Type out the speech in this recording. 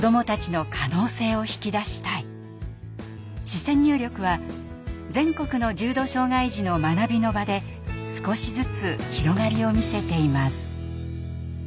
視線入力は全国の重度障害児の学びの場で少しずつ広がりを見せています。